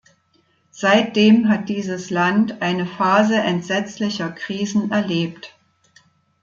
Seitdem hat dieses Land eine Phase entsetzlicher Krisen erlebt.